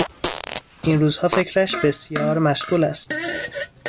این روزها فکرش بسیار مشغول است.